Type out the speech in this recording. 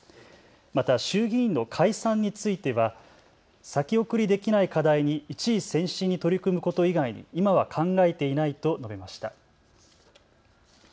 また衆議院の解散については先送りできない課題に一意専心に取り組むこと以外に今は考えていないと述べました。